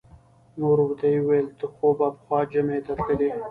نو ورته یې وویل: ته خو به پخوا جمعې ته تللې.